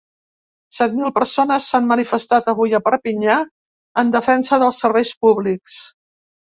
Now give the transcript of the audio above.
Set mil persones s’han manifestat avui a Perpinyà en defensa dels serveis públics.